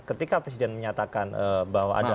ketika presiden menyatakan bahwa ada